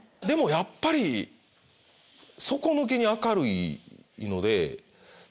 でもやっぱり底抜けに明るいので。